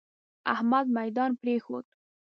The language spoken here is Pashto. احمد ميدان پرېښود.